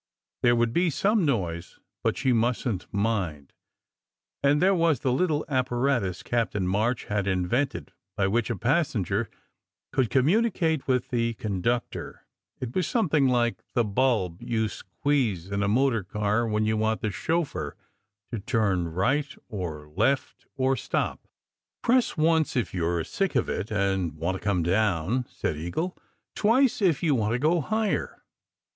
There would be some noise, but she mustn t mind; and there was the little apparatus Captain March had in vented, by which a passenger could communicate with the conductor. It was something like the bulb you squeeze in a motor car when you want the chauffeur to turn right or left or stop. SECRET HISTORY 47 "Press once if you re sick of it, and want to come down," said Eagle. "Twice if you want to go higher.